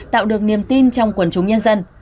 tạo được niềm tin trong quần chúng nhân dân